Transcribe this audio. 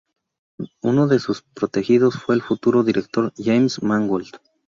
Uno de sus protegidos fue el futuro director James Mangold.